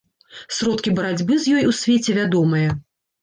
Сродкі барацьбы з ёй у свеце вядомыя.